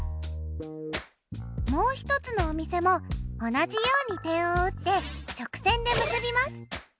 もう一つのお店も同じように点を打って直線で結びます。